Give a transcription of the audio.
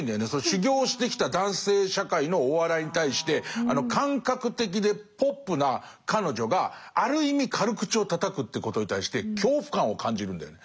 修業してきた男性社会のお笑いに対してあの感覚的でポップな彼女がある意味軽口をたたくってことに対して恐怖感を感じるんだよね。